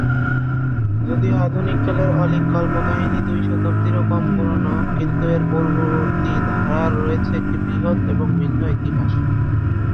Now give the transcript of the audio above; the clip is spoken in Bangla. যদিও আধুনিককালের অলীক কল্পকাহিনী দুই শতাব্দীরও কম পুরনো, কিন্তু এর পূর্ববর্তী ধারার রয়েছে একটি বৃহৎ এবং ভিন্ন ইতিহাস।